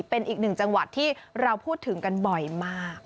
เป็นอีกหนึ่งจังหวัดที่เราพูดถึงกันบ่อยมาก